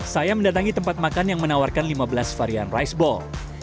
saya mendatangi tempat makan yang menawarkan lima belas varian rice ball